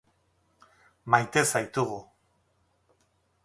Maite zaitugu.